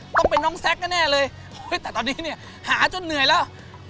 ต้องเป็นน้องแซ็กแน่เลยแต่ตอนนี้เนี่ยหาจนเหนื่อยแล้ว